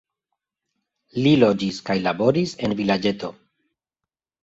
Li loĝis kaj laboris en vilaĝeto.